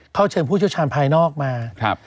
เชิญผู้เชี่ยวชาญภายนอกมา